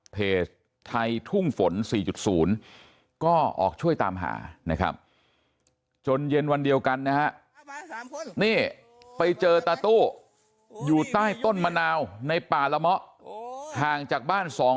เพจไทยทุ่งฝน๔จุด๐ก็ออกช่วยตามหานะครับ